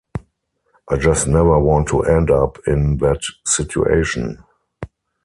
I just never want to end up in that situation